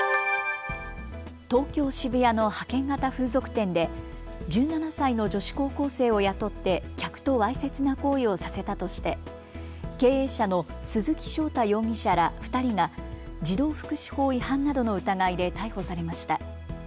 東京渋谷の派遣型風俗店で１７歳の女子高校生を雇って客とわいせつな行為をさせたとして経営者の鈴木翔太容疑者ら２人が児童福祉法違反などの疑いで逮捕されました。